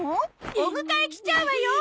お迎え来ちゃうわよ？